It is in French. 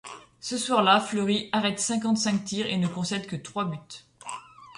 Ce soir là, Fleury arrête cinquante-cinq tirs et ne concède que trois buts.